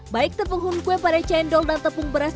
baik tepung hunkwe pada cendol dan tepung beras